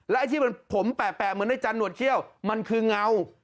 และที่มันผมแปลกเหมือนในจันทร์หนวดเชี่ยวมันคืองาว